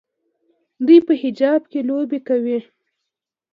دوی په حجاب کې لوبې کوي.